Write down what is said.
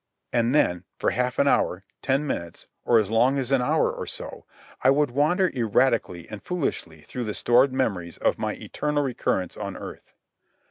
And then, for half an hour, ten minutes, or as long as an hour or so, I would wander erratically and foolishly through the stored memories of my eternal recurrence on earth.